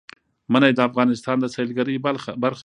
منی د افغانستان د سیلګرۍ برخه ده.